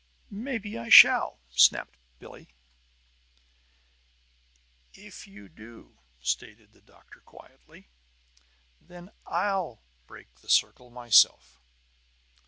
"Maybe I shall! snapped Bilhe. "If you do," stated the doctor quietly, "then I'll break the circle myself."